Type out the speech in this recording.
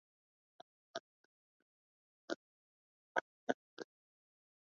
kwa afya ya wanadamu ndilo suala sugu uchafuzi wa hewa pia